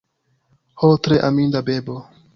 Ho, tre aminda bebo!